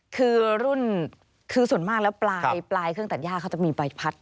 คือรุ่นคือส่วนมากแล้วปลายเครื่องตัดย่าเขาจะมีใบพัด